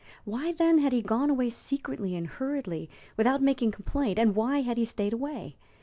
Why, then, had he gone away secretly and hurriedly, without making complaint, and why had he stayed away?